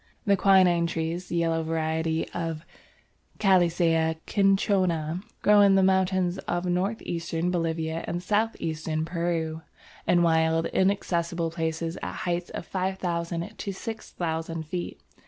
The quinine trees, the yellow variety or Calisaya cinchona, grow in the mountains of north eastern Bolivia and south eastern Peru, in wild, inaccessible places at heights of 5000 to 6000 feet.